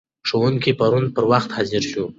ښوونکی پرون پر وخت حاضر شو.